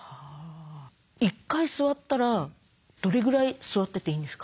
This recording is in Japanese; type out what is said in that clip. １回座ったらどれぐらい座ってていいんですか？